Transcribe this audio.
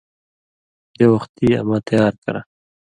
دے وختی اما تیار کرہ